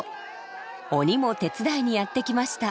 鬼も手伝いにやって来ました。